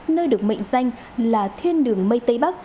nơi được mệnh danh là thuyên đường mây tây bắc